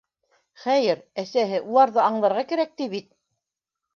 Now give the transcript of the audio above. Хәйер, әсәһе «уларҙы аңларға кәрәк» ти бит.